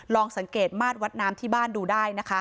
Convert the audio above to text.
ลองสังเกตมาดวัดน้ำที่บ้านดูได้นะคะ